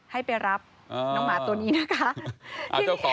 ให้ไปรับน้องหมาตัวนี้นะคะ